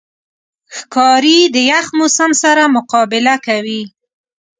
ښکاري د یخ موسم سره مقابله کوي.